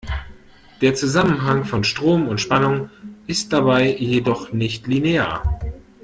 Der Zusammenhang von Strom und Spannung ist dabei jedoch nicht linear.